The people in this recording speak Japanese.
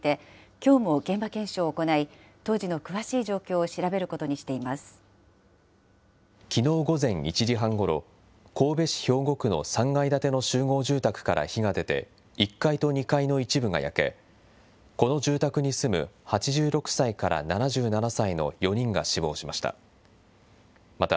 きのう午前１時半ごろ、神戸市兵庫区の３階建ての集合住宅から火が出て、１階と２階の一部が焼け、この住宅に住む８６歳から７７歳の４人が死亡しました。